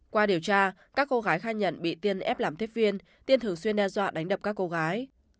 qua điều tra các cô gái khai nhận bị tiên ép làm thiết viên tiên thường xuyên đe dọa đánh đập các cô gái